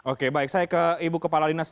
oke baik saya ke ibu kepala dinas